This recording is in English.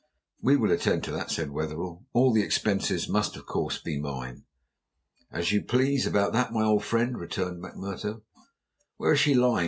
"We will attend to that," said Wetherell. "All the expenses must of course be mine." "As you please about that, my old friend," returned McMurtough. "Where is she lying?"